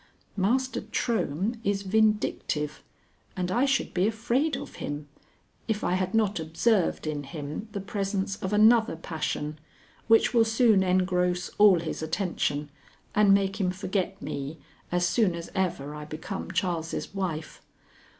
Master Trohm is vindictive, and I should be afraid of him, if I had not observed in him the presence of another passion which will soon engross all his attention and make him forget me as soon as ever I become Charles' wife.